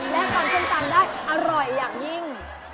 และตำส้มตำได้อร่อยอย่างยิ่ง